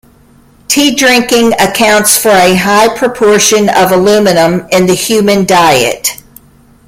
Tea drinking accounts for a high proportion of aluminum in the human diet.